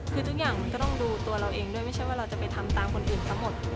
คือทุกอย่างมันก็ต้องดูตัวเราเองด้วยไม่ใช่ว่าเราจะไปทำตามคนอื่นทั้งหมด